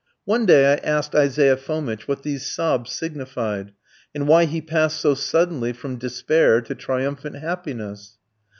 One day I asked Isaiah Fomitch what these sobs signified, and why he passed so suddenly from despair to triumphant happiness.